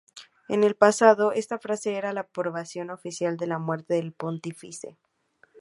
En el pasado, esta frase era la aprobación oficial de la muerte del pontífice.